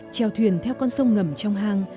treo thuyền theo con sông ngầm trong hang